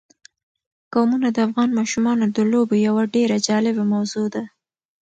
قومونه د افغان ماشومانو د لوبو یوه ډېره جالبه موضوع ده.